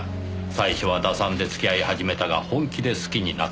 最初は打算で付き合い始めたが本気で好きになったと。